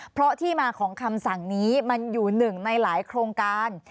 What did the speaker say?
เพราะที่มาของคำสั่งนี้มันอยู่หนึ่งในหลายโครงการ